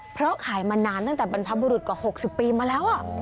เพราะขายมานานตั้งแต่บรรพบุรุษกว่า๖๐ปีมาแล้ว